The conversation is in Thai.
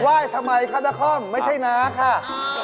ไหว้ทำไมครับนาคอมไม่ใช่นาค่ะ